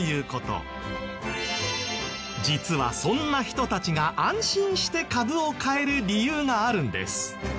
実はそんな人たちが安心して株を買える理由があるんです。